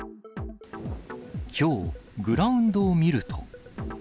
きょう、グラウンドを見ると。